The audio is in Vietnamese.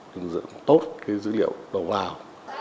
dựng dựng tốt cái dữ liệu đầu vào